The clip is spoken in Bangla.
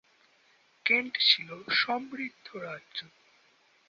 কেন্ট ছিল সমৃদ্ধ রাজ্য।